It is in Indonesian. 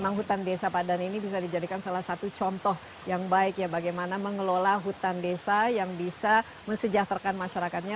memang hutan desa padan ini bisa dijadikan salah satu contoh yang baik ya bagaimana mengelola hutan desa yang bisa mesejahterakan masyarakatnya